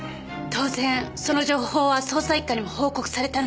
当然その情報は捜査一課にも報告されたのですか？